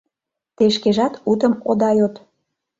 Те шкежат утым ода йод.